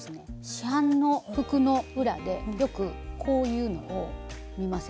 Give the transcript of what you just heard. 市販の服の裏でよくこういうのを見ませんか？